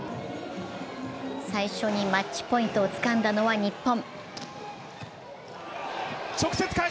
最初にマッチポイントをつかんだのは日本。